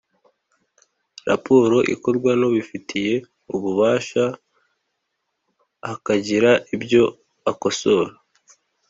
Raporo ikorwa n’ubifitiye ububasha hakagira ibyo akosora